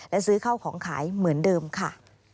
และซื้อเข้าของขายเหมือนเดิมค่ะ